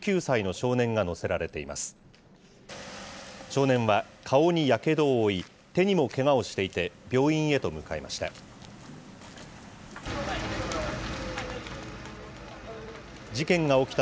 少年は顔にやけどを負い、手にもけがをしていて、病院へと向かいました。